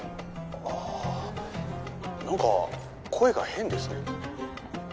あぁ何か声が変ですね？